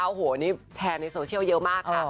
โอ้โหนี่แชร์ในโซเชียลเยอะมากค่ะ